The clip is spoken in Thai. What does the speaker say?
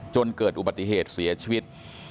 จนเกิดอุบัติเหตุเสียชีวิต